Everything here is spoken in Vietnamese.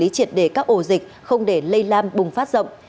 triển đề các ổ dịch không để lây lam bùng phát rộng